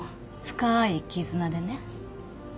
深い絆でね。